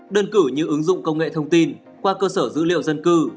đơn cử như ứng dụng công nghệ thông tin qua cơ sở dữ liệu dân cư